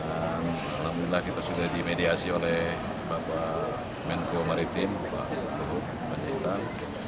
alhamdulillah kita sudah dimediasi oleh bapak menku maritim luhut banjaitan